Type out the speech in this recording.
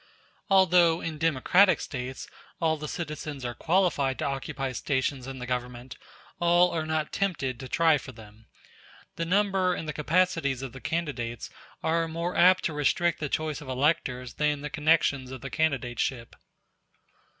Although, in democratic States, all the citizens are qualified to occupy stations in the Government, all are not tempted to try for them. The number and the capacities of the candidates are more apt to restrict the choice of electors than the connections of the candidateship.